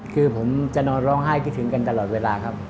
คือผมจะนอนร้องไห้คิดถึงกันตลอดเวลาครับ